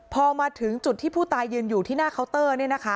พอมาถึงจุดที่ผู้ตายยืนอยู่ที่หน้าเคาน์เตอร์